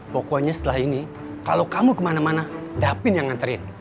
pokoknya setelah ini kalau kamu kemana mana dapin yang nganterin